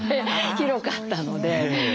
広かったので。